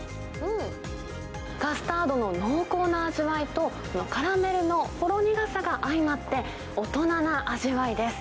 カスタードの濃厚な味わいと、カラメルのほろ苦さが相まって、大人な味わいです。